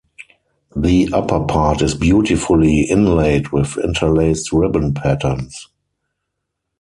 The upper part is beautifully inlaid with interlaced ribbon patterns.